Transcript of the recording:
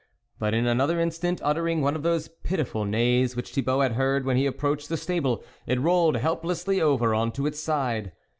But in another instant, uttering one of those pitiful neighs which Thibault had heard when he approached the stable, it rolled helplessly over on its side.